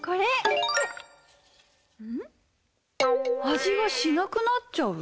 「味がしなくなっちゃう」？